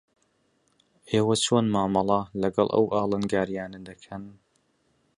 ئێوە چۆن مامەڵە لەگەڵ ئەو ئاڵنگارییانە دەکەن؟